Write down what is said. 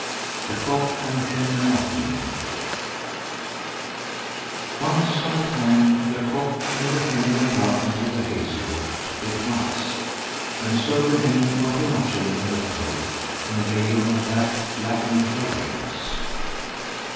THE COCK AND HEN A NUTTING Once on a time the cock and the hen went out into the hazel wood to pick nuts; and so the hen got a nutshell in her throat, and lay on her back, flapping her wings.